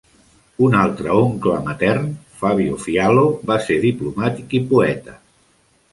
Un altre oncle matern, Fabio Fiallo, va ser diplomàtic i poeta.